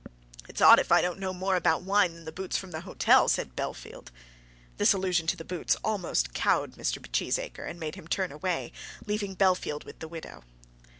"It's odd if I don't know more about wine than the boots from the hotel," said Bellfield. This allusion to the boots almost cowed Mr. Cheesacre, and made him turn away, leaving Bellfield with the widow.